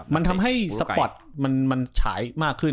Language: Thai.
มันทำให้สปอร์ตมันฉายมากขึ้น